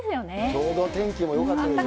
ちょうど天気もよかったです